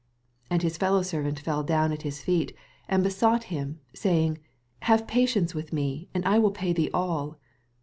89 And his fellow servant fell down at his feet, and besought him, sayinff. Have patience with me, ana I wul pay thee all.